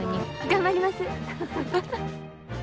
頑張ります。